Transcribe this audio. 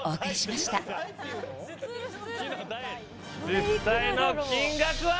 実際の金額は？